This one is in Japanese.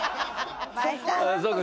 そっか